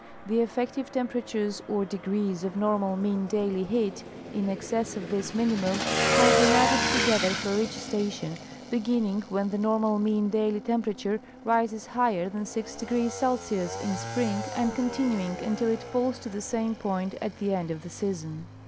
The effective temperatures or degrees of normal mean daily heat in excess of this minimum have been added together for each station, beginning when the normal mean daily temperature rises higher than 6° C. in spring and continuing until it falls to Geographic Distribution of Life. 233 the same point at the end of the season.